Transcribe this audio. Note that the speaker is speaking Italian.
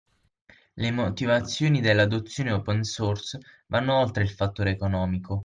Le motivazioni dell'adozione open source vanno oltre il fattore economico.